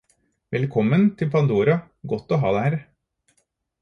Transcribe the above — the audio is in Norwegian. Velkommen til Pandora, godt å ha deg her